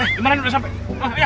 eh dimana ini udah sampai